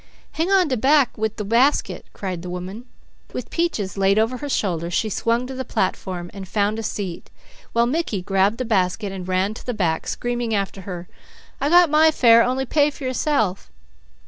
"Hang on de back wid the basket," cried the woman. With Peaches laid over her shoulder, she swung to the platform, and found a seat, while Mickey grabbed the basket and ran to the back screaming after her: "I got my fare; only pay for yourself."